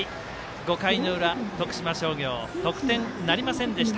５回の裏、徳島商業得点なりませんでした。